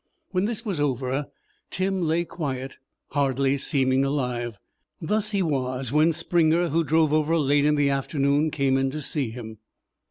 When this was over, Tim lay quiet, hardly seeming alive. Thus he was when Springer, who drove over late in the afternoon, came in to see him.